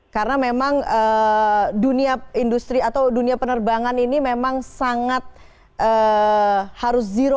karena memang dunia industri atau dunia penerbangan ini memang sangat harus zero